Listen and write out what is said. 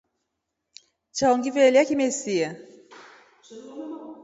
Chao kivelya kimesia.